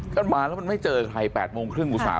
ก็มาแล้วมันไม่เจอใคร๘โมงครึ่งอุตส่าห